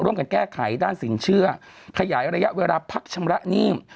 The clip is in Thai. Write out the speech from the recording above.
ร่วมกันแก้ไขด้านสินเชื่อขยายระยะเวลาพักชำระนิ่ม